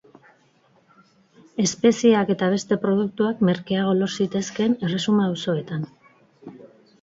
Espeziak eta beste produktuak merkeago lor zitezkeen erresuma auzoetan.